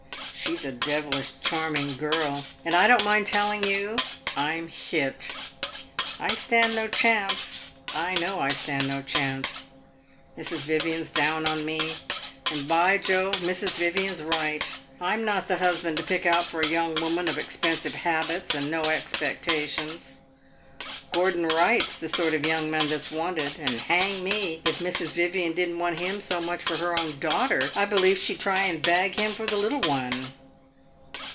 She 's a devilish charming girl, and I don't mind telling you I 'm hit. I stand no chance I know I stand no chance. Mrs. Vivian 's down on me, and, by Jove, Mrs. Vivian 's right. I 'm not the husband to pick out for a young woman of expensive habits and no expectations. Gordon Wright's the sort of young man that 's wanted, and, hang me, if Mrs. Vivian did n't want him so much for her own daughter, I believe she 'd try and bag him for the little one.